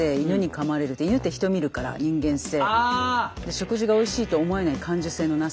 食事がおいしいと思えない感受性のなさ。